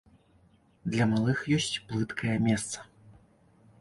Для малых ёсць плыткае месца.